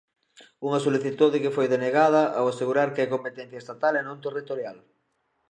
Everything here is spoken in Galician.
Unha solicitude que foi denegada ao asegurar que é competencia estatal e non territorial.